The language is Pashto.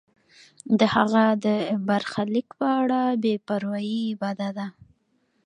د هغه د برخلیک په اړه بې پروایی بده ده.